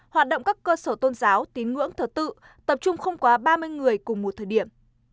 hoạt động các cơ sở tôn giáo tín ngưỡng thờ tự tập trung không quá ba mươi người cùng một thời điểm